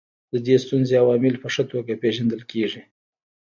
د دې ستونزې عوامل په ښه توګه پېژندل کیږي.